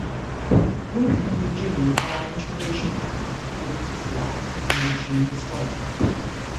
Ruth and Eugene are an interracial couple; Ruth is black and Eugene is white.